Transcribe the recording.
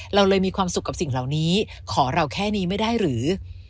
เราเลยมีความสุขกับสิ่งเหล่านี้ขอเราแค่นี้ไม่ได้หรือ